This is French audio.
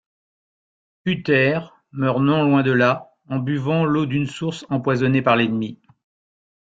Uther meurt non loin de là en buvant l’eau d’une source empoisonnée par l’ennemi.